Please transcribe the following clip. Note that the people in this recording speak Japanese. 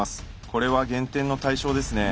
これは減点の対象ですね。